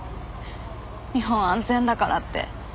日本安全だからって。